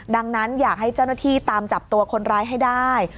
ดังนั้นอยากให้เจ้าหน้าที่ตามจับตัวคนร้ายให้ได้